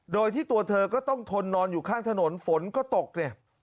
โดยที่ตัวเธอก็ต้องทนนอนอยู่ข้างถนนฝนก็ตกเนี่ย